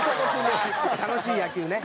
楽しい野球ね。